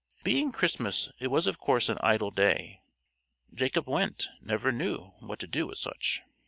Being Christmas, it was of course an idle day. Jacob Wendte never knew what to do with such.